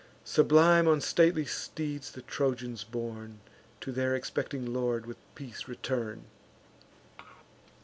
Sublime on stately steeds the Trojans borne, To their expecting lord with peace return.